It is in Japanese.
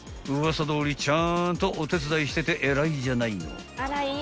［ウワサどおりちゃんとお手伝いしてて偉いじゃないの］